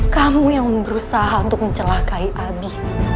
kamu yang berusaha untuk mencelakai abi